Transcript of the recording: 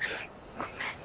ごめんね。